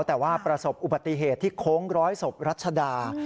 แต่ว่าประสบอุบัติเหตุที่โค้งร้อยศพรัชดา